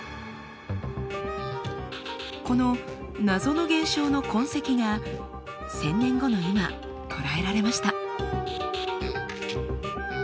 この謎の現象の痕跡が１，０００年後の今捉えられました。